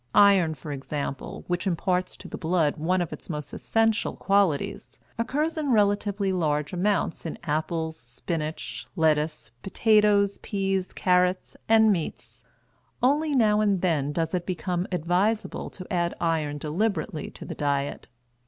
Iron, for example, which imparts to the blood one of its most essential qualities, occurs in relatively large amounts in apples, spinach, lettuce, potatoes, peas, carrots, and meats. Only now and then does it become advisable to add iron deliberately to the diet.